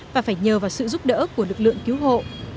và phải nhờ vào sự giúp đỡ của lực lượng cứu hộ